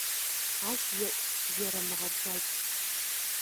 Ащ еӀу, зерэмыгъэбзадж.